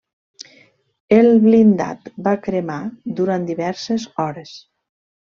El blindat va cremar durant diverses hores.